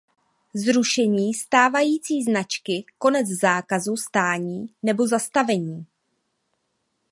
Zrušení stávající značky Konec zákazu stání nebo zastavení.